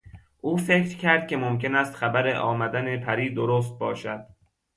او فکر کرد که ممکن است خبر آمدن پری درست باشد.